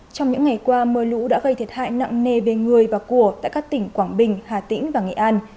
trong những ngày qua mưa lũ đã gây thiệt hại nặng nề về người và của tại các tỉnh quảng bình hà tĩnh và nghệ an